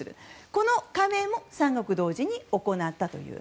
この加盟も三国同時に行ったという。